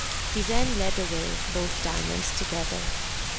He then led away both Diamonds together.